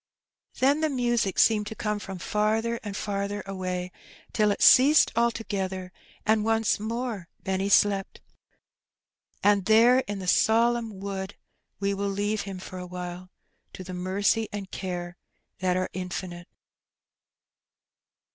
Then the music seemed to come from farther and farther away, till it ceased altogether, and once more Benny slept. And there in the solemn wood we will leave him for awhile to the mercy and care that are infinite.